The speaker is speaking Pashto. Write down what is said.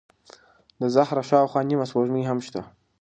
د زهره شاوخوا نیمه سپوږمۍ هم شته.